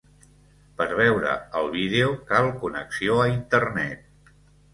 Per veure el vídeo, cal connexió a internet.